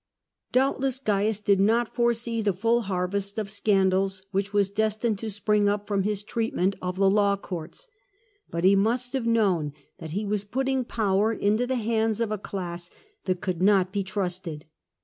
Doubtless Oaius did not foresee the full harvest of scandals which was destined to spring up from his treat ment of the law courts. But he must have known that he was putting power into the hands of a class that could not be trusted.